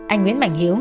anh nguyễn bảnh hiếu